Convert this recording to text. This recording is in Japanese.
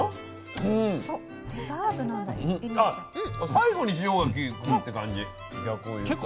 最後に塩がきくって感じ逆を言うと。